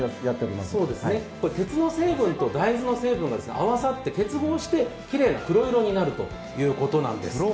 鉄の成分と大豆の成分が結合してきれいな黒色になるということなんです。